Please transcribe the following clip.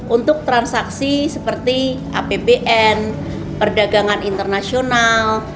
untuk transaksi seperti apbn perdagangan internasional